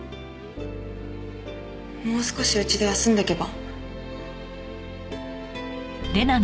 もう少しうちで休んでいけば？